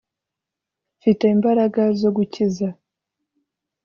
mfite imbaraga zo gukiza